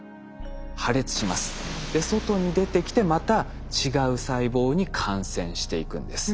外に出てきてまた違う細胞に感染していくんです。